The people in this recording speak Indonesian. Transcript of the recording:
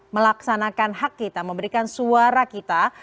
melaksanakan hak kita memberikan suara kita